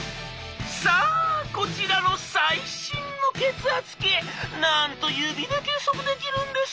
「さあこちらの最新の血圧計なんと指で計測できるんです！